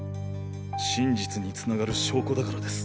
真実に繋がる証拠だからです。